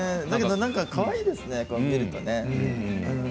だけど何かかわいいですね、見るとね。